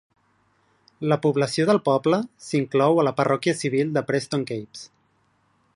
La població del poble s'inclou a la parròquia civil de Preston Capes.